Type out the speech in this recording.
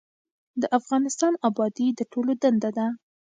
د افغانستان ابادي د ټولو دنده ده